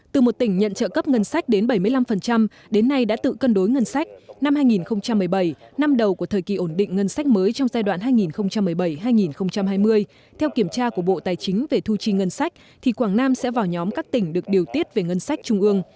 từ một tỉnh nhận trợ cấp ngân sách đến bảy mươi năm đến nay đã tự cân đối ngân sách năm hai nghìn một mươi bảy năm đầu của thời kỳ ổn định ngân sách mới trong giai đoạn hai nghìn một mươi bảy hai nghìn hai mươi theo kiểm tra của bộ tài chính về thu chi ngân sách thì quảng nam sẽ vào nhóm các tỉnh được điều tiết về ngân sách trung ương